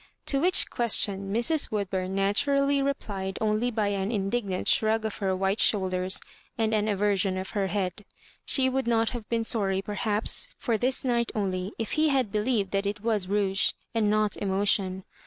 to which question Mrs. Woodbum na turally replied only by an indignant shrug of her white shoulders and aversion of her head. She would not have been sorry, perhaps, for thia night only, if he had believed that it was rouge, and not emotion.